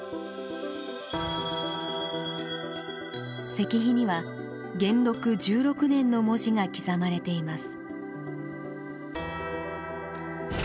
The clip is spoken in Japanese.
石碑には「元禄十六年」の文字が刻まれています。